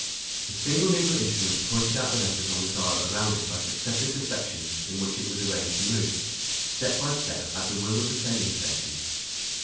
The single needle instrument pointed out the letters on the dial around it by successive deflections in which it was arranged to move, step by step, at the will of the sending station.